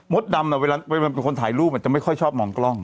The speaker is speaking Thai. มดดำนะแบบนะก็คนถ่ายรูปมันจะไม่ค่อยชอบมองกล้อง